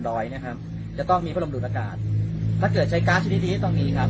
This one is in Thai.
ร้อยนะครับจะต้องมีพระลมดูดอากาศถ้าเกิดใช้ก๊าซชนิดนี้ตรงนี้ครับ